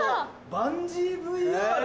「バンジーＶＲ」？